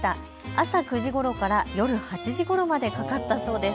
朝９時ごろから夜８時ごろまでかかったそうです。